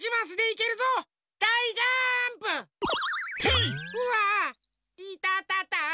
いたたた。